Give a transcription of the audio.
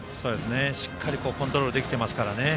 しっかり、コントロールできていますからね。